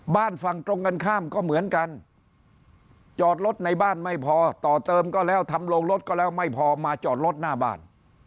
บ้านฝั่งตรงกันข้ามก็เหมือนกันจอดรถในบ้านไม่พอต่อเติมก็แล้วทำโรงรถก็แล้วไม่พอมาจอดรถหน้าบ้าน